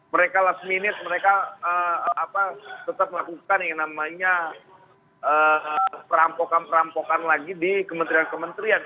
mereka last minute tetap melakukan perampokan perampokan lagi di kementerian kementerian